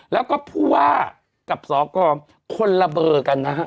แล้วก็ผู้ว่ากับสกคนละเบอร์กันนะฮะ